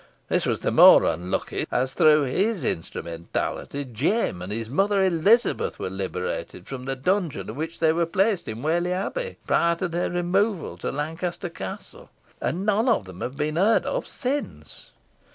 This was the more unlucky, as through his instrumentality Jem and his mother Elizabeth were liberated from the dungeon in which they were placed in Whalley Abbey, prior to their removal to Lancaster Castle, and none of them have been heard of since."